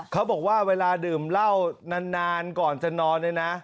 เขาบอกว่าเวลาดื่มเหล้านานก่อนจะนอนเนี่ยนะ